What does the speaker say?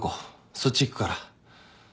そっち行くから。